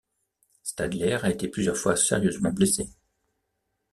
Stadler a été plusieurs fois sérieusement blessé.